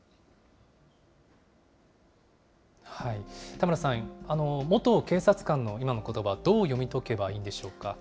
田村さん、元警察官の今のことば、どう読み解けばいいんでしょうか。